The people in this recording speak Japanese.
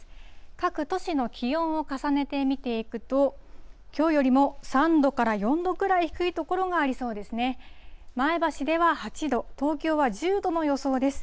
各都市の気温を重ねて見ていくと、きょうよりも３度から４度くらい低い所がありそうですね。